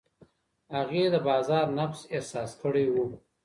هغې د بازار نبض احساس کړی و.